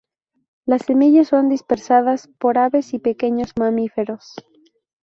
Las semillas son dispersadas por aves y pequeños mamíferos.